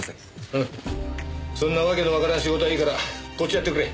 うんそんなわけのわからん仕事はいいからこっちやってくれ。